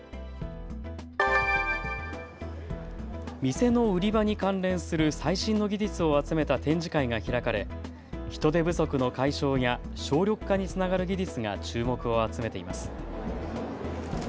店の売り場に関連する最新の技術を集めた展示会が開かれ人手不足の解消や省力化につながる技術が注目を集めています。